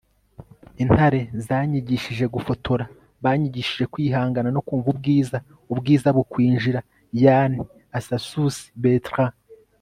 intare zanyigishije gufotora. banyigishije kwihangana no kumva ubwiza, ubwiza bukwinjira. - yann arthus-bertrand